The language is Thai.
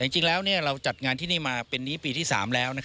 จริงแล้วเราจัดงานที่นี่มาเป็นนี้ปีที่๓แล้ว